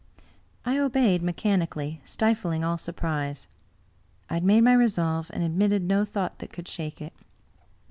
I obeyed mechanically, stifling all surprise. I had made my resolve, and admitted no thought that could shake it.